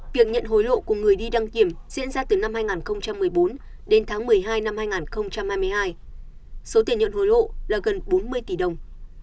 việc nhận hối lộ của người đi đăng kiểm diễn ra từ năm hai nghìn một mươi bốn đến tháng một mươi hai năm hai nghìn hai mươi hai số tiền nhận hối lộ là gần bốn mươi tỷ đồng